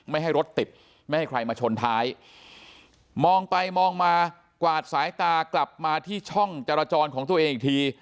ไม่ให้รถติดไม่ให้ใครมาชนท้ายมองไปมองมากวาดสายตากลับมาที่ช่องจราจรของตัวเองอีกที